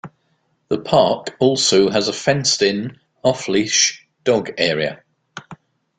The park also has a fenced-in off-leash dog area.